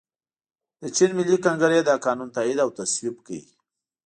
د چین ملي کنګرې دا قانون تائید او تصویب کړ.